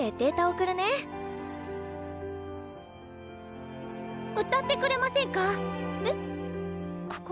ここで歌ってくれませんか？